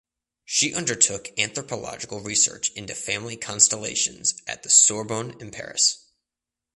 She undertook anthropological research into family constellations at the Sorbonne in Paris.